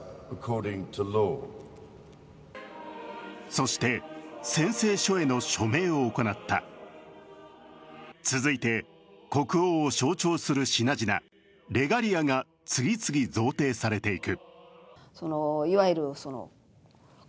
そして、宣誓書への署名を行った続いて、国王を象徴する品々レガリアが次々贈呈されていく。